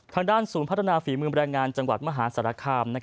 ทางด้านศูนย์พัฒนาฝีมือแรงงานจังหวัดมหาสารคาม